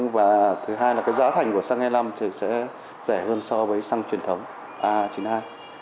và thứ hai là cái giá thành của xăng e năm thì sẽ rẻ hơn so với xăng truyền thống a chín mươi hai